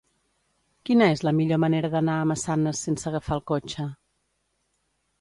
Quina és la millor manera d'anar a Massanes sense agafar el cotxe?